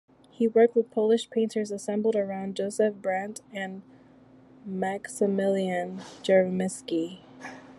He worked with Polish painters assembled around Jozef Brandt and Maksymilian Gierymski.